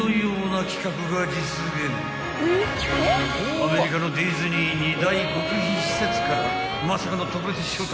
［アメリカのディズニー２大極秘施設からまさかの特別招待］